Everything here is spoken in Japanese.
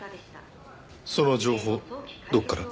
その情報どこから？